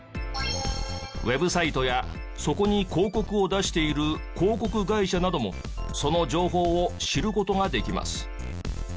ウェブサイトやそこに広告を出している広告会社などもその情報を知る事ができます。